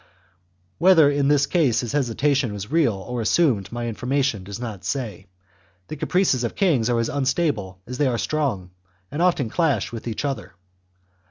Whether in this case his hesitation was real or assumed my infor mation does not say. The caprices of kings are as unstable as they are strong, and often clash with each other.